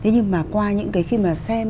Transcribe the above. nhưng mà qua những cái khi mà xem